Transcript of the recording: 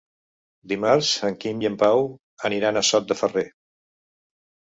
Dimarts en Quim i en Pau aniran a Sot de Ferrer.